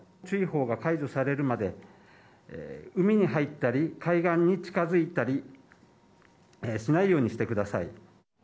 注意報が解除されるまで、海に入ったり、海岸に近づいたりしないようにしてください。